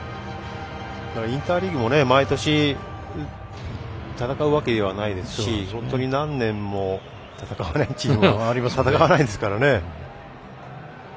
インターリーグも毎年戦うわけじゃないですし本当に何年も戦わないチームは戦わないですからね。